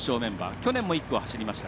去年も１区を走りました。